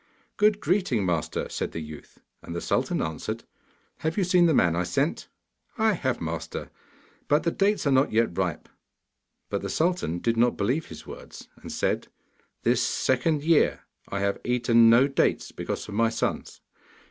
'Good greeting, master!' said the youth. And the sultan answered, 'Have you seen the man I sent?' 'I have, master; but the dates are not yet ripe.' But the sultan did not believe his words, and said; 'This second year I have eaten no dates, because of my sons.